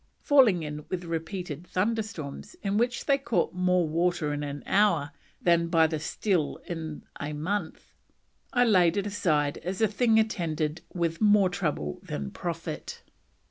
Falling in with repeated thunderstorms in which they caught more water in an hour "than by the still in a month, I laid it a side as a thing attended with more trouble than profit."